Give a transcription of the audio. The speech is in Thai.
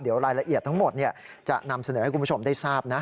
เดี๋ยวรายละเอียดทั้งหมดจะนำเสนอให้คุณผู้ชมได้ทราบนะ